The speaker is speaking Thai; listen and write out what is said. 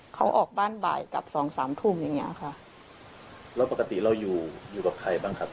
เขาออกบ้านบ่ายกับสองสามทุ่มอย่างเงี้ยค่ะแล้วปกติเราอยู่อยู่กับใครบ้างครับ